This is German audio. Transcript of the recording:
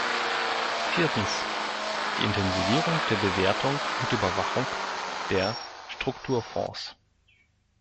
Viertens, die Intensivierung der Bewertung und Überwachung der Strukturfonds.